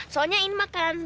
soalnya ini makanan favorit aku